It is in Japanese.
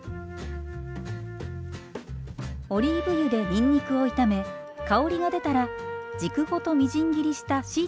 オリーブ油でにんにくを炒め香りが出たら軸ごとみじん切りしたしいたけを加え炒めます。